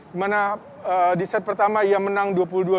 di mana di set pertama ia menang dua puluh dua